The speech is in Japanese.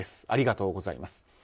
ありがとうございます。